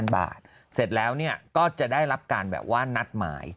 ๓๑๐๐๐บาทเสร็จแล้วเนี่ยก็จะได้รับการแบบว่านัดหมาย